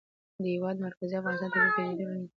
د هېواد مرکز د افغانستان د طبیعي پدیدو یو رنګ دی.